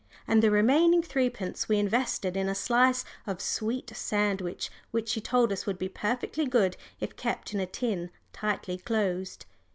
And the remaining threepence we invested in a slice of sweet sandwich, which she told us would be perfectly good if kept in a tin tightly closed.